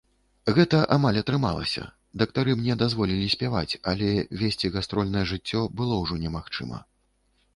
Гэта амаль атрымалася, дактары мне дазволілі спяваць, але весці гастрольнае жыццё было ўжо немагчыма.